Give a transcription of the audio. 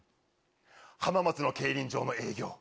浜松の競輪場の営業。